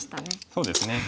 そうですね。